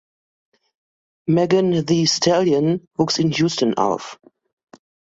Megan Thee Stallion wuchs in Houston auf.